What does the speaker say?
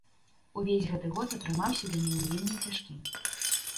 Увесь гэты год атрымаўся для мяне вельмі цяжкім.